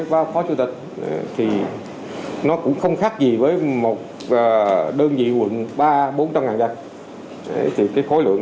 qua phó chủ tịch thì nó cũng không khác gì với một đơn vị quận ba bốn trăm linh dân thì cái khối lượng